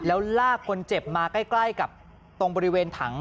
แล้วลากคนเจ็บมาใกล้กับตรงบริเวณถัง